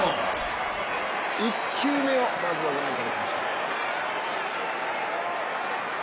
１球目をまずはご覧いただきましょう。